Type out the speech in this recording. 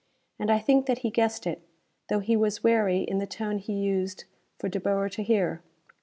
And I think that he guessed it, though he was wary in the tone he used for De Boer to hear.